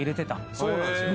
そうなんですよ。